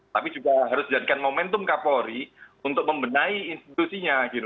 tapi juga harus dijadikan momentum kapolri untuk membenahi institusinya